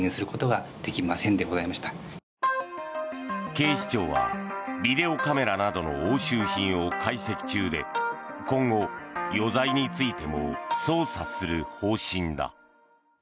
警視庁はビデオカメラなどの押収品を解析中で今後、余罪についても捜査する方針だ。